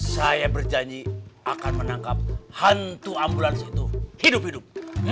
saya berjanji akan menangkap hantu ambulans itu hidup hidup